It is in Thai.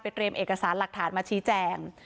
เตรียมเอกสารหลักฐานมาชี้แจง